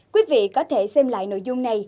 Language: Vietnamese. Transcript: quý vị có thể xem lại nội dung này